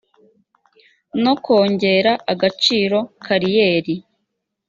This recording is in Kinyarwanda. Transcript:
no kongerera agaciro kariyeri